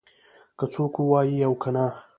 که څوک ووایي او کنه